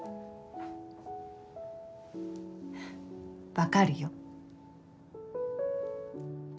分かるよ。